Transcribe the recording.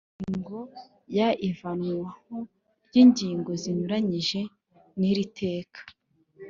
Ingingo ya ivanwaho ry ingingo zinyuranyije n iri teka